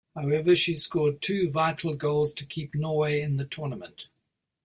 However, she scored two vital goals to keep Norway in the tournament.